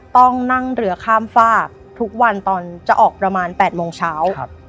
ต้องนั่งเรือข้ามฝากทุกวันตอนจะออกประมาณ๘โมงเช้า